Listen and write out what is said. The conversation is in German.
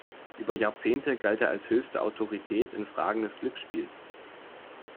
Über Jahrzehnte galt er als höchste Autorität in Fragen des Glücksspiels.